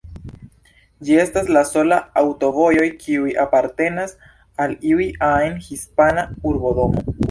Ĝi estas la sola aŭtovojo kiu apartenas al iu ajn hispana urbodomo.